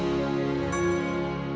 dah aku pengen liat